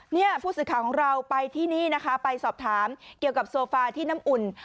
เนี่ยผู้สื่อข่าวของเราไปที่นี่นะคะไปสอบถามเกี่ยวกับโซฟาที่น้ำอุ่น